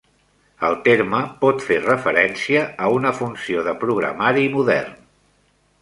El terme pot fer referència a una funció de programari modern.